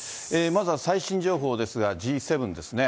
まずは最新情報ですが、Ｇ７ですね。